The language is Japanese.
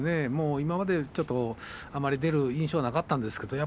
今まで前に出る印象はなかったんですけどね。